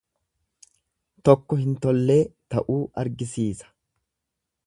Tokko hin tollee ta'uu argisiisa.